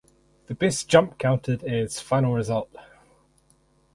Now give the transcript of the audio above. The best jump counted as final result.